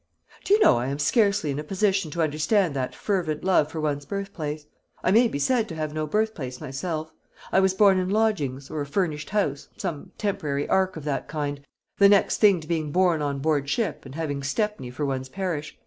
"Do you know, I am scarcely in a position to understand that fervent love for one's birthplace. I may be said to have no birthplace myself. I was born in lodgings, or a furnished house some temporary ark of that kind the next thing to being born on board ship, and having Stepney for one's parish.